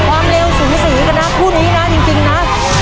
ความเลวสูงศนิกานักผู้นี้นะจริงจริงน่ะ